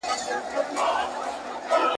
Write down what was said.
ښځي وویل هوښیاره یم پوهېږم ..